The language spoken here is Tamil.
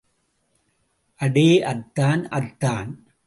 அடே அத்தான் அத்தான்.